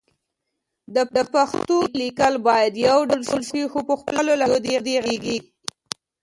د پښتو لیکل باید يو ډول شي خو په خپلو لهجو دې غږېږي